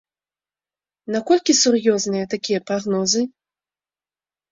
Наколькі сур'ёзныя такія прагнозы?